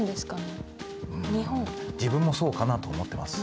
自分もそうかなと思ってます。